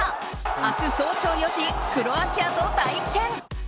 明日早朝４時、クロアチアと対戦。